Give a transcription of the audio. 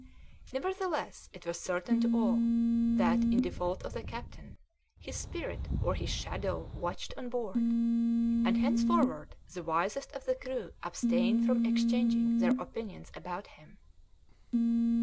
Nevertheless it was certain to all that, in default of the captain, his spirit or his shadow watched on board; and henceforward the wisest of the crew abstained from exchanging their opinions about him.